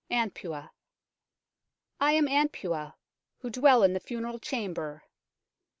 " ANPU : "I am Anpu, who dwell in the funeral chamber.